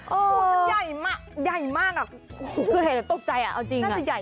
อ๋อมันใหญ่มากใหญ่มากอะคือเห็นแต่ตกใจอ่ะเอาจริงอ่ะน่าจะใหญ่กว่าขา